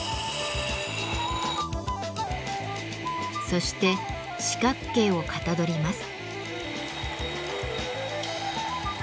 そして四角形をかたどります。